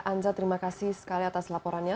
anza terima kasih sekali atas laporannya